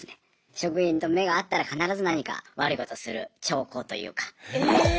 職員と目が合ったら必ず何か悪いことする兆候というか。